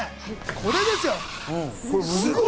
これですよ。